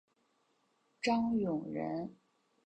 张永人。